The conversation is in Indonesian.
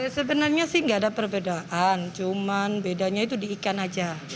sebenarnya sih nggak ada perbedaan cuman bedanya itu di ikan aja